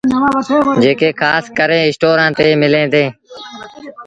جيڪي کآس ڪري اسٽورآݩ تي مليٚن ديٚݩ۔